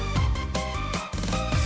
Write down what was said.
sampai jumpa lagi